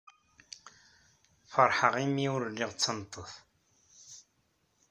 Feṛḥeɣ imi ur lliɣ d tameṭṭut.